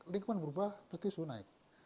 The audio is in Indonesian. lingkungan berubah pasti sudah naik